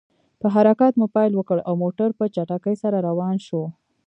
په حرکت مو پیل وکړ، او موټر په چټکۍ سره روان شو.